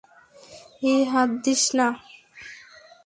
এই, হাত দিছ না।